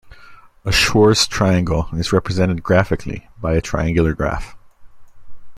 A Schwarz triangle is represented graphically by a triangular graph.